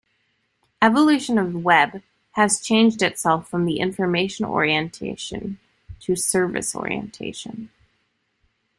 Evolution of Web has changed itself from the information orientation to Service orientation.